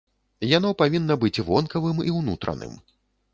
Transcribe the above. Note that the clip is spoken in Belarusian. Яно павінна быць вонкавым і ўнутраным.